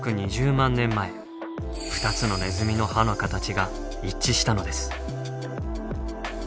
年前２つのネズミの歯の形が一致したのです。